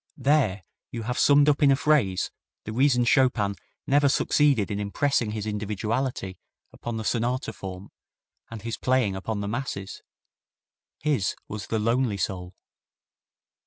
There you have summed up in a phrase the reason Chopin never succeeded in impressing his individuality upon the sonata form and his playing upon the masses. His was the lonely soul.